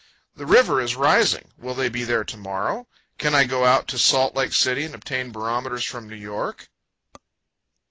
The river is rising. Will they be there to morrow? Can I go out to Salt Lake City and obtain barometers from New York?